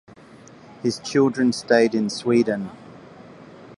His children stayed in Sweden.